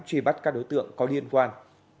truy bắt các đối tượng có liên quan